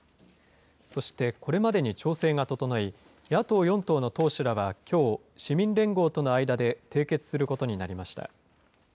そして、これまでに調整が整い、野党４党の党首らがきょう、市民連合との間で締結することになりました。